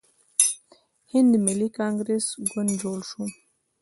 هندي ملي کانګریس ګوند جوړ شو.